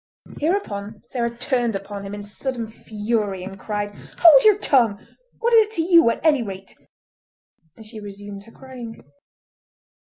Hereupon Sarah turned upon him in sudden fury, and cried: "Hold your tongue! what is it to you, at any rate?" and she resumed her crying.